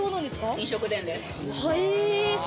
飲食店です。